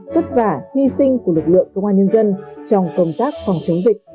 vất vả hy sinh của lực lượng công an nhân dân trong công tác phòng chống dịch